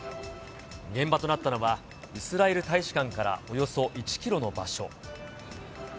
現場となったのは、イスラエル大使館からおよそ１キロの場所。